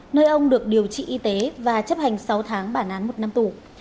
nơi ông được điều trị y tế và chấp hành sáu tháng bản án một năm tù